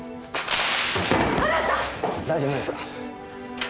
大丈夫ですか？